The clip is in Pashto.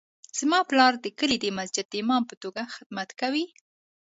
زما پلار د کلي د مسجد د امام په توګه خدمت کوي